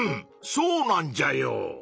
そうなんじゃよ！